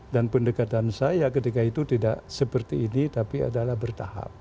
dan pendekatan saya ketika itu tidak seperti ini tapi adalah bertahap